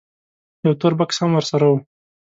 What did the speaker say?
یو تور بکس هم ورسره و.